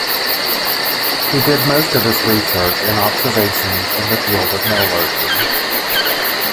He did most of his research and observations in the field of metallurgy.